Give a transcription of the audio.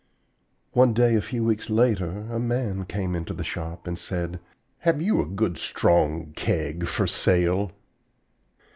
"One day a few weeks later a man came into the shop and said, 'Have you a good strong keg for sale?'